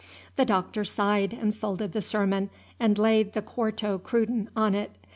The Doctor sighed, and folded the sermon, and laid the Quarto Cruden on it.